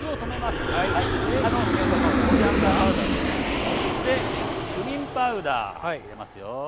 そしてクミンパウダー入れますよ。